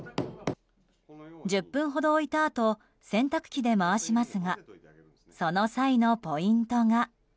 １０分ほど置いたあと洗濯機で回しますがその際のポイントが。